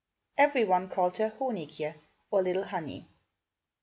Every one called her Honig je', or Little Honey.